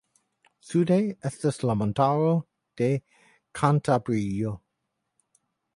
Sude estas la Montaro de Kantabrio.